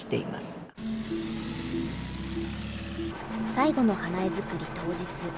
最後の花絵作り当日。